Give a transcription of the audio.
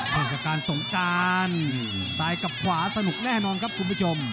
เทศกาลสงการซ้ายกับขวาสนุกแน่นอนครับคุณผู้ชม